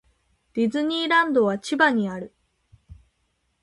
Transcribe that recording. ディズニーランドは千葉にある。